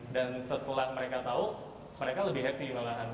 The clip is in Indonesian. dan setelah mereka tahu mereka lebih happy malahan